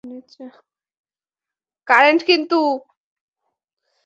না, আরেকটু নিচু।